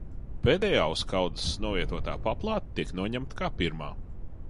Pēdējā uz kaudzes novietotā paplāte tiek noņemta kā pirmā.